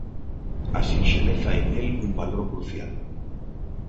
A sinxeleza é nel un valor crucial.